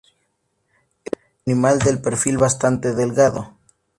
Era un animal de perfil bastante delgado.